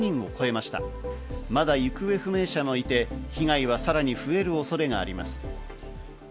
また行方不明者もいて、被害はさらに増える恐れがあります。